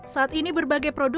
saat ini berbagai persoalan